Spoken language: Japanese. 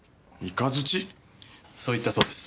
そう言ったそうです。